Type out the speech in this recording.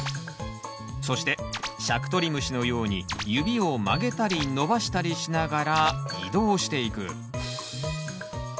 そしてしゃくとり虫のように指を曲げたり伸ばしたりしながら移動していく。